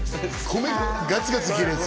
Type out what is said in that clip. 米ガツガツいけるやつ